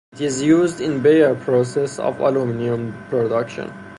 It is used in the Bayer process of aluminium production.